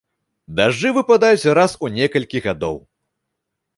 Дажджы выпадаюць раз у некалькі гадоў.